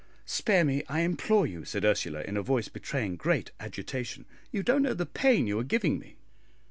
'" "Spare me, I implore you," said Ursula, in a voice betraying great agitation. "You don't know the pain you are giving me."